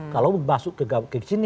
kalau masuk ke sini